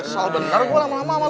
soal bener gua lama lama sama lu